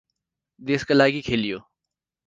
देशका लागि खेलियो ।